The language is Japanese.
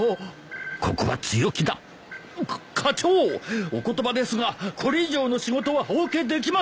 ここは強気だか課長お言葉ですがこれ以上の仕事はお受けできません！